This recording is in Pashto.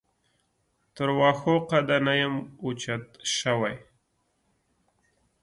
تر واښو قده نه یم اوچت شوی.